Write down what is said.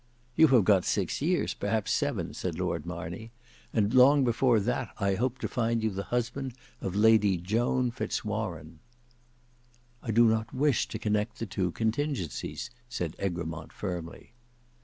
"You have got six years, perhaps seven," said Lord Marney, "and long before that I hope to find you the husband of Lady Joan Fitz Warene." "I do not wish to connect the two contingencies," said Egremont firmly.